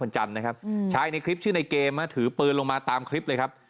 จันทร์นะครับชายในคลิปชื่อในเกมถือปืนลงมาตามคลิปเลยครับ